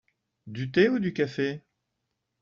du thé ou du café ?